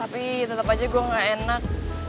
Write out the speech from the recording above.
tapi tetap aja gue gak enak